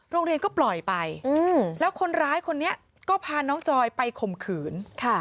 โรงเรียนก็ปล่อยไปแล้วคนร้ายคนนี้ก็พาน้องจอยไปข่มขืน